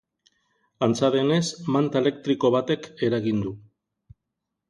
Antza denez, manta elektriko batek eragin du.